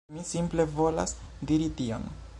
Mi simple volas diri tion.